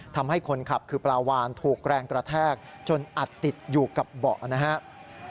ทำให้คนขับคือปลาวานถูกแรงกระแทกจนอัดติดอยู่กับเบาะนะครับ